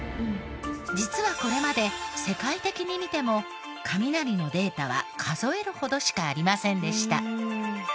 実はこれまで世界的に見ても雷のデータは数えるほどしかありませんでした。